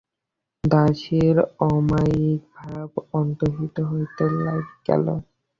দাসীর অমায়িক ভাব অন্তহিত হইয়া গেল।